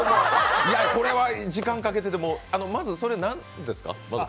これは時間かけててもまずそれは何ですか？